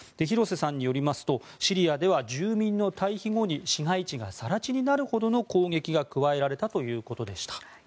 廣瀬さんによりますとシリアでは住民の退避後に市街地が更地になるほどの攻撃が加えられたということでした。